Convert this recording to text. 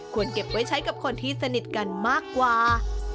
เก็บไว้ใช้กับคนที่สนิทกันมากกว่า